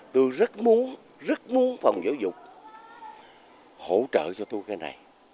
tôi rất muốn rất muốn phòng giáo dục hỗ trợ cho tôi cái này